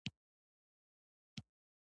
ماشوم خوب ته تللی دی.